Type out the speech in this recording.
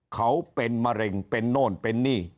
เขาเป็นมะเร็งเป็นโน่นเป็นนี่